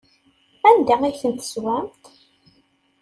Anda ay tent-teswamt?